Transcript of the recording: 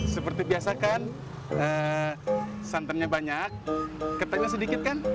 seperti biasa kan santannya banyak ketannya sedikit kan